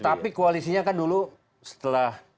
tapi koalisinya kan dulu setelah